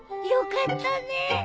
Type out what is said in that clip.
よかったねえ。